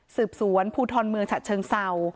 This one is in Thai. สืบสวนภูทรเมืองฉะเชิงเศร้า